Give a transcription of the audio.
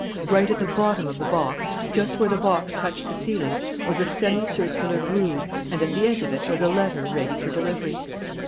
Right at the bottom of the box, just where the box touched the ceiling, was a semicircular groove, and at the edge of it was a letter ready for delivery.